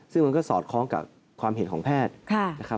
ซึ่งมันก็สอดคล้องกับความเห็นของแพทย์นะครับ